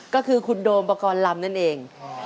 ก็คือคุณโดมปกรณ์ลำนั่นเอง